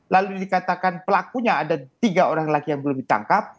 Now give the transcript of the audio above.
lalu dikatakan pelakunya ada tiga orang lagi yang belum ditangkap